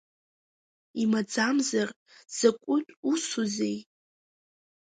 Имаӡамзар закәытә усузеи.